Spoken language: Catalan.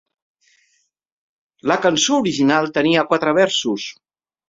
La cançó original tenia quatre versos.